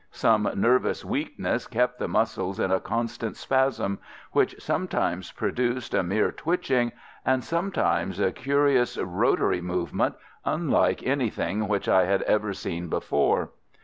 Some nervous weakness kept the muscles in a constant spasm, which sometimes produced a mere twitching and sometimes a curious rotary movement unlike anything which I had ever seen before.